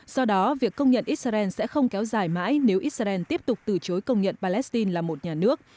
do đó việc công nhận israel sẽ không kéo dài mãi nếu israel tiếp tục từ chối công nhận palestine là một nhà nước